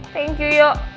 thank you yuk